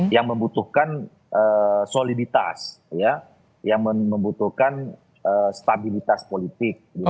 yang membutuhkan soliditas yang membutuhkan stabilitas politik